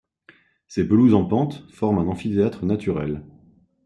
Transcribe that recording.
Ses pelouses en pente forment un amphithéâtre naturel.